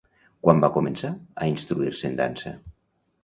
Quan va començar a instruir-se en dansa?